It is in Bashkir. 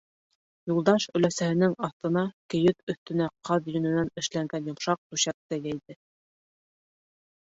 Юлдаш өләсәһенең аҫтына кейеҙ өҫтөнә ҡаҙ йөнөнән эшләнгән йомшаҡ түшәк тә йәйҙе.